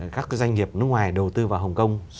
các doanh nghiệp nước ngoài đầu tư vào hồng kông